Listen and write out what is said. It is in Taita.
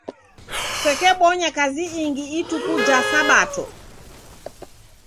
Kusakebonya kazi ingi ituku ja sabato.